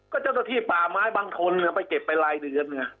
ก็เจ้าหน้าที่ป่าไม้บางคนไปเก็บไปรายเดือนไง